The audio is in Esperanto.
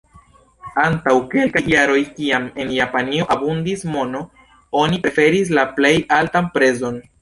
Antaŭ kelkaj jaroj, kiam en Japanio abundis mono, oni preferis la plej altan prezon.